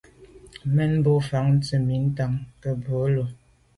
Memo’ bèn mfa’ ntsha mi ntàn ke ntsha bwe’e lo.